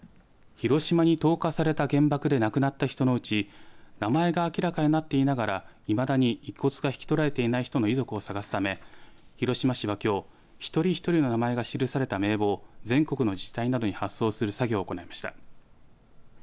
広島に投下された原爆で亡くなった人のうち名前が明らかになっていながらいまだに遺骨が引き取られていない人の遺族を探すため広島市はきょう１人ひとりの名前が記された名簿を全国の自治体などに発送する作業を行いました。